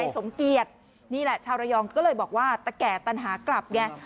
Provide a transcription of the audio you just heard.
สมเกียจนี่แหละชาวระยองก็เลยบอกว่าตะแก่ตันหากลับไง